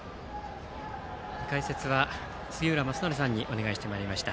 解説は杉浦正則さんにお願いしてまいりました。